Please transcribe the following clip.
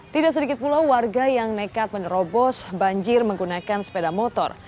tidak sedikit pula warga yang nekat menerobos banjir menggunakan sepeda motor